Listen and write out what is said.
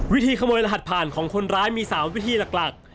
วิธีขโมยรหัสผ่านของคนร้ายมี๓วิธีหลัก